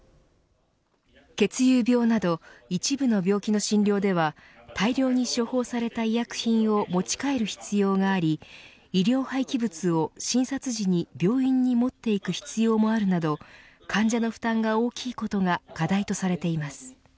血友病など一部の病気の診療では大量に処方された医薬品を持ち帰る必要があり医療廃棄物を診察時に病院に持っていく必要もあるなど患者の負担が大きいことが課題とされています。